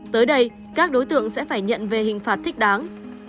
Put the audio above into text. tới đây các đối tượng sẽ phải nhận về hình phạt thích đáng